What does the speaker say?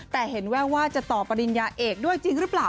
แต่เห็นแววว่าจะต่อปริญญาเอกด้วยจริงหรือเปล่า